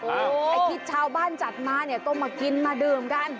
ไอ้ที่ชาวบ้านจัดมาเนี่ยก็มากินมาดื่มกัน